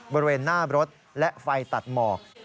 บริเวณหน้ารถและไฟตัดหมอก